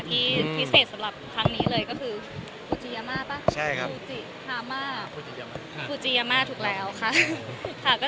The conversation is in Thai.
ที่พิเศษสำหรับครั้งนี้เลยก็คือ